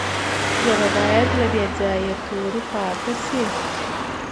ژبه باید له بې ځایه تورو پاکه سي.